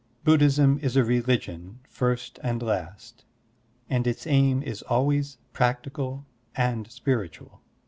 Bud dhism is a religion first and last, and its aim is always practical and spiritual.